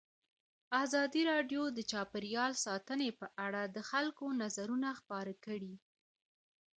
ازادي راډیو د چاپیریال ساتنه په اړه د خلکو نظرونه خپاره کړي.